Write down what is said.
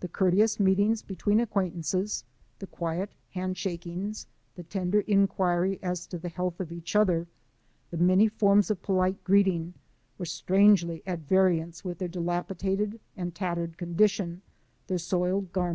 The courteous meetings between acquaint ' anccs, the quiet hand shakings, the tender inquiry as to the health of \ each other, the many forms of polite greeting, were strangely at vari I ancc with their dilapidated and tattered condition, their soiled gar